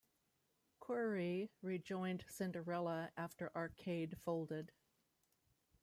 Coury re-joined Cinderella after Arcade folded.